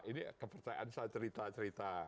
ini kepercayaan saya cerita cerita